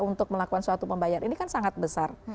untuk melakukan suatu pembayaran ini kan sangat besar